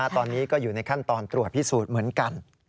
ตอนนี้ก็อยู่ในขั้นตอนตรวจพิสูจน์เหมือนกัน